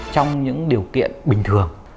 trong những điều kiện bình thường